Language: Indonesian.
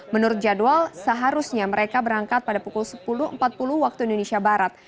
menurut jadwal seharusnya mereka berangkat pada pukul sepuluh empat puluh waktu indonesia barat